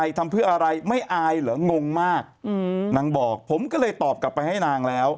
เย่เพราะงงมากนางบอกผมก็เลยตอบกลับไปให้นางแล้ว